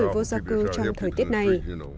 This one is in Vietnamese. vô gia cư trong thời tiết này